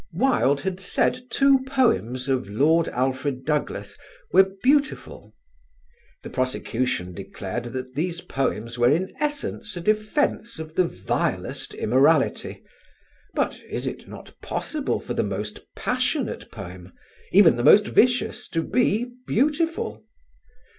Wilde had said two poems of Lord Alfred Douglas were "beautiful." The prosecution declared that these poems were in essence a defence of the vilest immorality, but is it not possible for the most passionate poem, even the most vicious, to be "beautiful"?